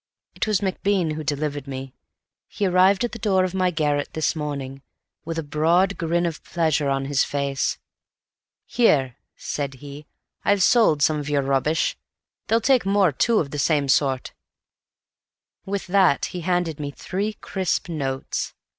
It was MacBean who delivered me. He arrived at the door of my garret this morning, with a broad grin of pleasure on his face. "Here," said he; "I've sold some of your rubbish. They'll take more too, of the same sort." With that he handed me three crisp notes.